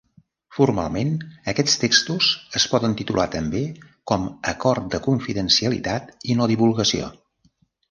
Formalment, aquests textos es poden titular també com Acord de confidencialitat i no divulgació.